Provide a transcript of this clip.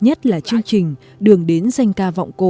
nhất là chương trình đường đến danh ca vọng cổ